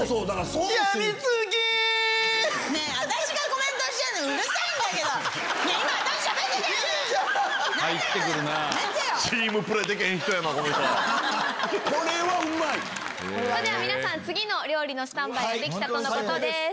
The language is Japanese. それでは皆さん次の料理のスタンバイができたとのことです。